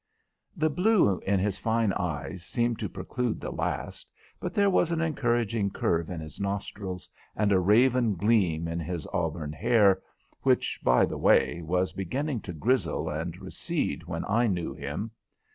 The blue in his fine eyes seemed to preclude the last, but there was an encouraging curve in his nostrils and a raven gleam in his auburn hair, which, by the way, was beginning to grizzle and recede when I knew him.